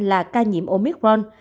là ca nhiễm omikron